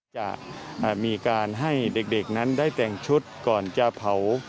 จะมีการให้เด็กนั้นได้แต่งชุดก่อนจะเผา